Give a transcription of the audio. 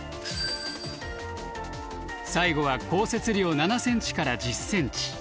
最後は降雪量７ｃｍから１０ｃｍ。